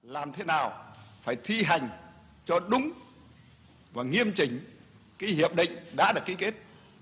làm thế nào phải thi hành cho đúng và nghiêm trình cái hiệp định đã được ký kết